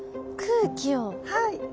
はい。